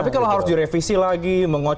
tapi kalau harus direvisi lagi